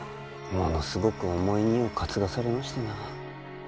ものすごく重い荷を担がされましてな。